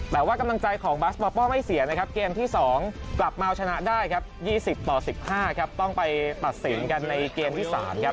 แต่ว่ากำลังใจของบาสปอปเปาไม่เสียเกมที่๒กลับมาเอาชนะได้๒๐ต่อ๑๕ต้องไปตัดสินกันในเกมที่๓